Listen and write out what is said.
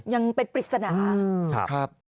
ยังเป็นปริศนาครับครับ